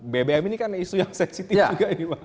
bbm ini kan isu yang sensitif juga